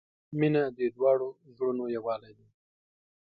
• مینه د دواړو زړونو یووالی دی.